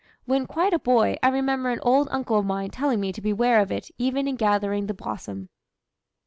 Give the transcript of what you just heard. When quite a boy I remember an old uncle of mine telling me to beware of it even in gathering the blossom.